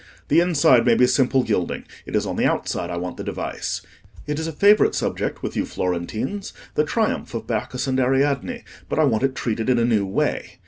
The inside may be simple gilding: it is on the outside I want the device. It is a favourite subject with you Florentines—the triumph of Bacchus and Ariadne; but I want it treated in a new way.